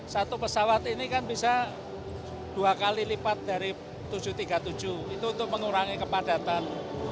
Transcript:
satu pesawat ini kan bisa dua kali lipat dari tujuh ratus tiga puluh tujuh itu untuk mengurangi kepadatan